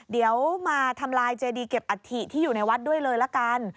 เดี๋ยวมาทำลายเจดีเก็บอัฐิที่อยู่ในวัดด้วยเลยละกัน